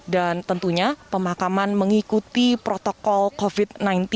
dan tentunya pemakaman mengikuti protokol covid sembilan belas